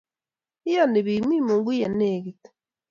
Iyoni bik, mi Mungu ye negit